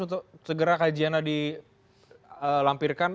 untuk segera kajiannya dilampirkan